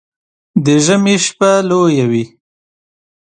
د ژمي شپه لويه وي